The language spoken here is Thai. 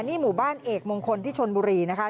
นี่หมู่บ้านเอกมงคลที่ชนบุรีนะคะ